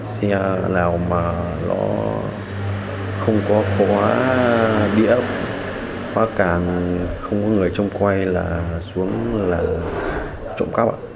xe nào mà nó không có khóa đĩa khóa càng không có người trông coi là xuống là trộm cắp ạ